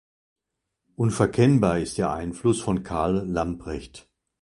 Unverkennbar ist der Einfluss von Karl Lamprecht.